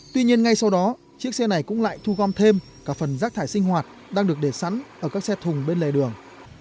tuy nhiên ngay sau đó chiếc xe này cũng lại thu gom thêm cả phần rác thải sinh hoạt đang được để sẵn ở các xe thùng bên lề đường